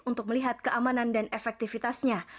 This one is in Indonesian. untuk melihat keamanan dan efektivitasnya